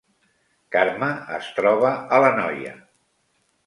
Carme es troba a l’Anoia